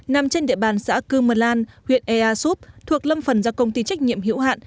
nằm trên địa bàn xã cư mơ lan huyện ea súp thuộc lâm phần do công ty trách nhiệm hữu hạn